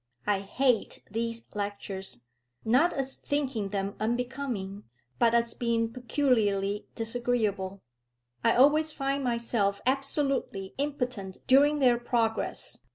I hate these lectures, not as thinking them unbecoming, but as being peculiarly disagreeable. I always find myself absolutely impotent during their progress.